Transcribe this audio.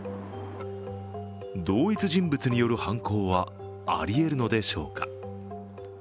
同一人物による犯行はありえるのでしょうか。